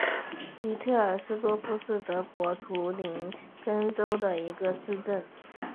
迪特尔斯多夫是德国图林根州的一个市镇。